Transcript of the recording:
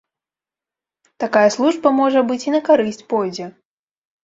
Такая служба, можа быць, і на карысць пойдзе.